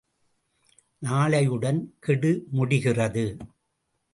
நாளையுடன் கெடு முடிகிறது.